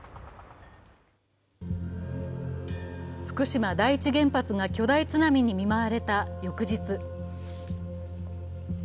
福島第一原発が巨大津波に見舞われた翌日。